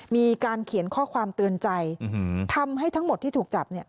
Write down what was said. มีการเขียนข้อความเตือนใจทำให้ทั้งหมดที่ถูกจับเนี่ย